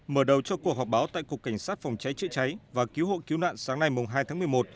mở đầu cho cuộc họp báo tại cục cảnh sát phòng cháy chữa cháy và cứu hộ cứu nạn sáng nay hai tháng một mươi một